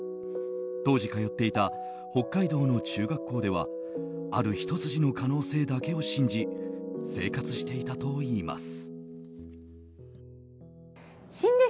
当時、通っていた北海道の中学校ではあるひと筋の可能性だけを信じ生活していたといいます。